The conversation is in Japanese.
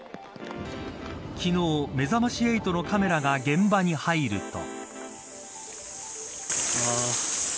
昨日、めざまし８のカメラが現場に入ると。